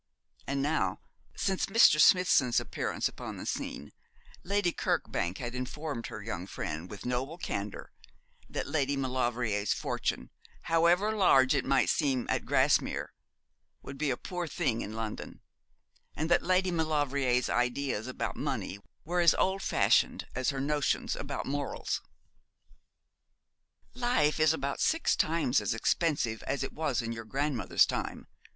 And now, since Mr. Smithson's appearance upon the scene, Lady Kirkbank had informed her young friend with noble candour that Lady Maulevrier's fortune, however large it might seem at Grasmere, would be a poor thing in London; and that Lady Maulevrier's ideas about money were as old fashioned as her notions about morals. 'Life is about six times as expensive as it was in your grandmother's time.'